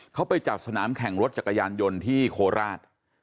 เขาไปจัดสนามแข่งรถจักรยานยนต์ที่โคราช